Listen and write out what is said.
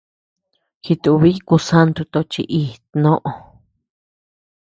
Jitubiy kusanto tochi íʼ tnoʼö.